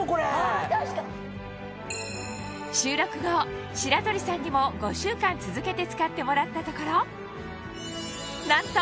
収録後白鳥さんにも５週間続けて使ってもらったところなんと！